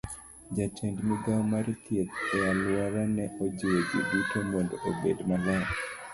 Jatend migao mar thieth e alworano ne ojiwo ji duto mondo obed maler